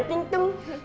oh mau ikut sekolah